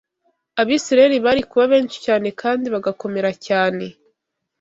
Abisirayeli bari kuba benshi cyane kandi bagakomera cyane